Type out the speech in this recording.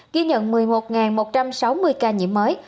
ghi nhận một mươi một một trăm sáu mươi ca nhiễm mới